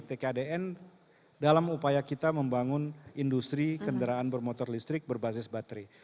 tkdn dalam upaya kita membangun industri kendaraan bermotor listrik berbasis baterai